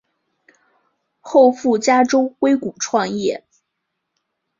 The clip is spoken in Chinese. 后赴加州硅谷创业。